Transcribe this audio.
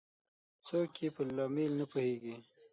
څوک یې په لامل نه پوهیږي